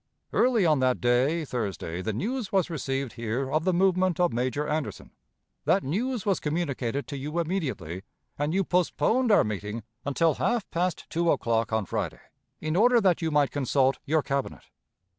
Early on that day, Thursday, the news was received here of the movement of Major Anderson. That news was communicated to you immediately, and you postponed our meeting until half past two o'clock on Friday, in order that you might consult your Cabinet.